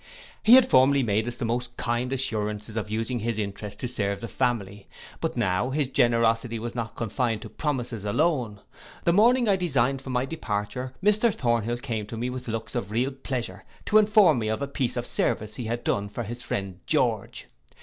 He had formerly made us the most kind assurances of using his interest to serve the family; but now his generosity was not confined to promises alone: the morning I designed for my departure, Mr Thornhill came to me with looks of real pleasure to inform me of a piece of service he had done for his friend George.